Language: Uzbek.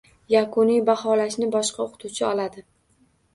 Yakuniy baholashni boshqa oʻqituvchi oladi